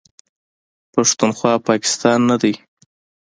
پښتونخوا، پاکستان نه دی.